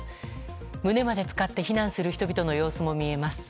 胸まで浸かって避難する人の様子も見えます。